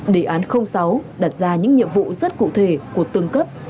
địa án sáu đặt ra những nhiệm vụ rất cụ thể của tương cấp